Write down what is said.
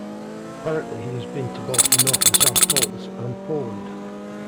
Apparently he has been to both the North and South poles, and Poland.